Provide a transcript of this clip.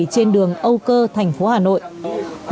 trên đường âu cơ tp hcm